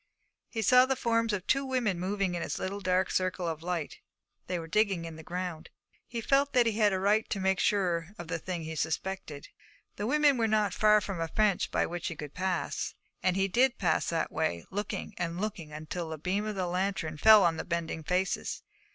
He saw the forms of two women moving in its little circle of light; they were digging in the ground. He felt that he had a right to make sure of the thing he suspected. The women were not far from a fence by which he could pass, and he did pass that way, looking and looking till a beam of the lantern fell full on the bending faces.